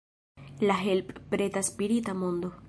La help-preta spirita mondo.